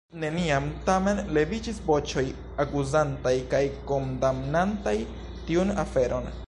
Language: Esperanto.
Neniam, tamen, leviĝis voĉoj akuzantaj kaj kondamnantaj tiun aferon.